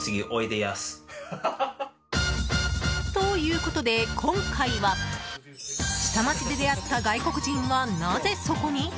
ということで、今回は下町で出会った外国人はなぜそこに？